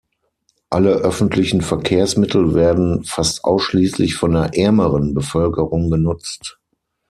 Alle öffentlichen Verkehrsmittel werden fast ausschließlich von der ärmeren Bevölkerung genutzt.